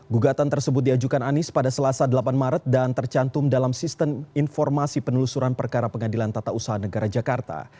gugatan tersebut diajukan anies pada selasa delapan maret dan tercantum dalam sistem informasi penelusuran perkara pengadilan tata usaha negara jakarta